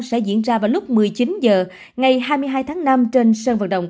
sẽ diễn ra vào lúc một mươi chín h ngày hai mươi hai tháng năm trên sơn văn độ